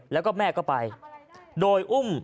แล้วก็แม่ก็ไปโดยอุ้ม